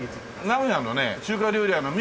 名古屋のね中華料理屋の味